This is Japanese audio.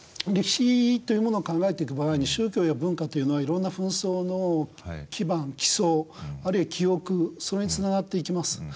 歴史というものを考えていく場合に宗教や文化というのはいろんな紛争の基盤基礎あるいは記憶それにつながっていきます。